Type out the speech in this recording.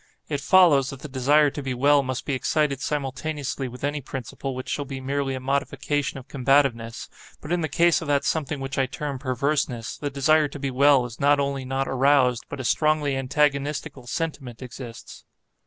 It follows, that the desire to be well must be excited simultaneously with any principle which shall be merely a modification of combativeness, but in the case of that something which I term perverseness, the desire to be well is not only not aroused, but a strongly antagonistical sentiment exists.